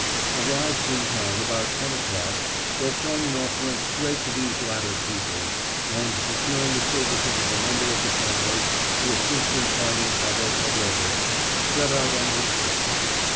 Arrived in town about ten o'clock, Velchaninoff went straight to these latter people, and securing the services of a member of the family to assist in finding Pavel Pavlovitch, set out on his quest.